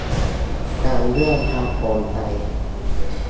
ทั้งเรื่องความโปร่งใส